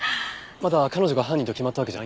まだ彼女が犯人と決まったわけじゃ。